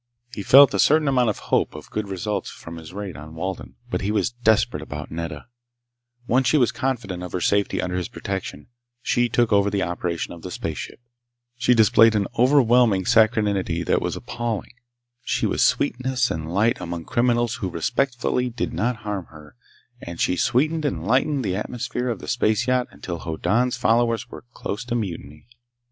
He felt a certain amount of hope of good results from his raid on Walden, but he was desperate about Nedda. Once she was confident of her safety under his protection, she took over the operation of the spaceship. She displayed an overwhelming saccharinity that was appalling. She was sweetness and light among criminals who respectfully did not harm her, and she sweetened and lightened the atmosphere of the space yacht until Hoddan's followers were close to mutiny.